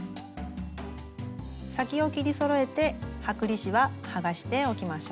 先を切りそろえて剥離紙は剥がしておきましょう。